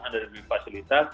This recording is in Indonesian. anda diberi fasilitas